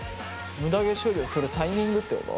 むだ毛処理をするタイミングってこと？